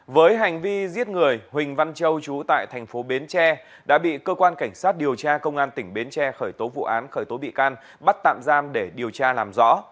với hành vi giết người huỳnh văn châu chú tại thành phố bến tre đã bị cơ quan cảnh sát điều tra công an tỉnh bến tre khởi tố vụ án khởi tố bị can bắt tạm giam để điều tra làm rõ